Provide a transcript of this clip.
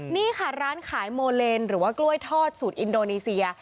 นี่ค่ะร้านขายโมเลนหรือว่ากล้วยทอดสูตรอินโดนีเซีย